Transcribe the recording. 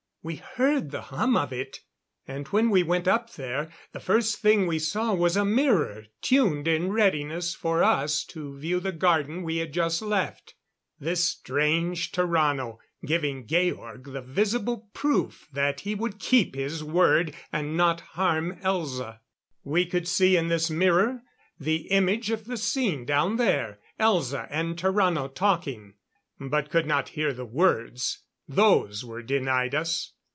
We heard the hum of it; and when we went up there, the first thing we saw was a mirror tuned in readiness for us to view the garden we had just left. This strange Tarrano, giving Georg the visible proof that he would keep his word and not harm Elza. We could see in this mirror the image of the scene down there Elza and Tarrano talking. But could not hear the words those were denied us.